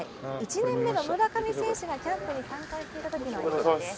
１年目の村上選手がキャンプに参加していたときの映像です。